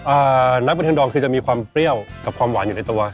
อ่าน้ำกระเทียมด๋องคือจะมีความเปรี้ยวกับความหวานอยู่ในตัว